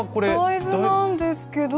大豆なんですけれども。